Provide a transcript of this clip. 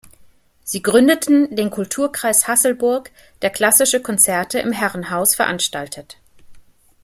Sie gründeten den Kulturkreis Hasselburg, der klassische Konzerte im Herrenhaus veranstaltet.